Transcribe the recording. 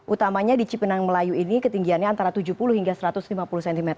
utamanya di cipinang melayu ini ketinggiannya antara tujuh puluh hingga satu ratus lima puluh cm